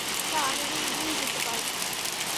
না, আমি রিং দিয়েই যেতে পারবো।